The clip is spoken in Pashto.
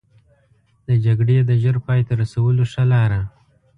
د جګړې د ژر پای ته رسولو ښه لاره.